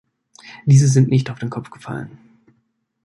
Diese sind nicht auf den Kopf gefallen.